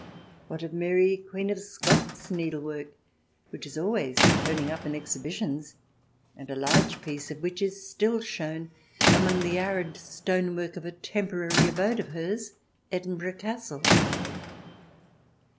What of Mary Queen of Scots' needlework, which is always turning up in exhibitions, and a large piece of which is still shown among the arid stone work of a temporary abode of hers — Edinburgh Castle